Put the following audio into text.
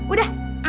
udah antar aja